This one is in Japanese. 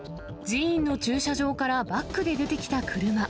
寺院の駐車場からバックで出てきた車。